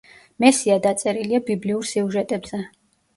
მესია დაწერილია ბიბლიურ სიუჟეტებზე.